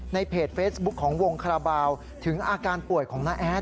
เพจเฟซบุ๊คของวงคาราบาลถึงอาการป่วยของน้าแอด